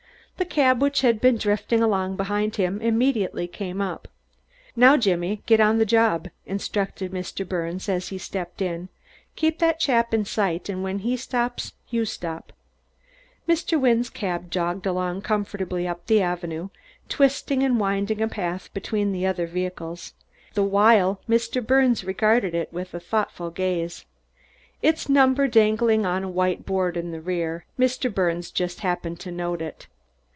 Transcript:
The cab which had been drifting along behind him immediately came up. "Now, Jimmy, get on the job," instructed Mr. Birnes, as he stepped in. "Keep that chap in sight and when he stops you stop." Mr. Wynne's cab jogged along comfortably up the avenue, twisting and winding a path between the other vehicles, the while Mr. Birnes regarded it with thoughtful gaze. Its number dangled on a white board in the rear; Mr. Birnes just happened to note it.